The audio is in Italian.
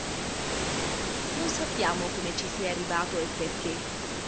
Non sappiamo come ci sia arrivato e perché.